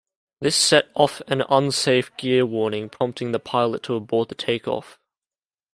This set off an "unsafe gear" warning, prompting the pilot to abort the takeoff.